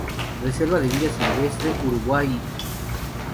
Reserva de Vida Silvestre Urugua-í